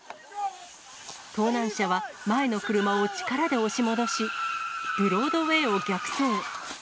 盗難車は前の車を力で押し戻し、ブロードウェイを逆走。